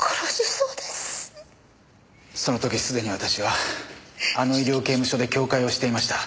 その時すでに私はあの医療刑務所で教誨をしていました。